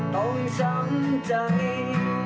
ต้องช้ำใจ